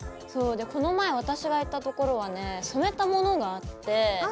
この前私が行ったところはね染めたものがあって。